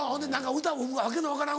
歌も訳の分からん